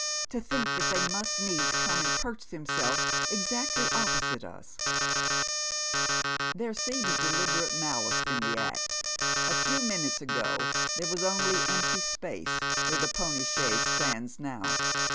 To think that they must needs come and perch themselves exactly opposite us !" There seems deliberate malice in the act. A few minutes ago there was oidy empty space where the pony chaise stands now.